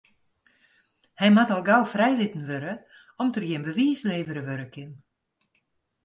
Hy moat al gau frijlitten wurde om't der gjin bewiis levere wurde kin.